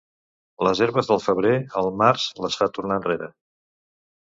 Les herbes del febrer, el març les fa tornar enrere.